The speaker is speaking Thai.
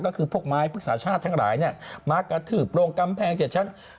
ก็คือพวกไม้ภึกษาชาติทั้งหลายมากะถือโปรงกำแพงเจ็ดชั้น